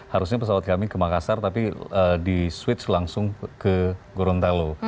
harusnya pesawat kami ke makassar tapi di switch langsung ke gorontalo